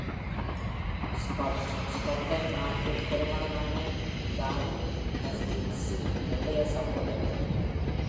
Scott, Scotland நாட்டின் பெருமகனான Gavin Hastingsஇன் இளைய சகோதரர்.